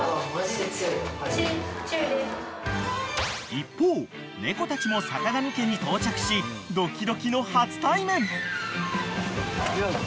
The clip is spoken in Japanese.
［一方猫たちもさかがみ家に到着しドキドキの初対面］